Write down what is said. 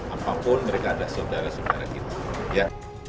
apapun mereka adalah saudara saudara kita